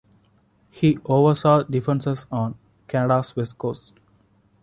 He oversaw defences on Canada's West Coast.